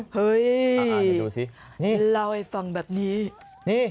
เฮ้ยเอาไว้ฟังแบบนี้